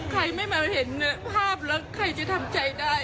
ใครไม่มาเห็นภาพแล้วใครจะทำใจได้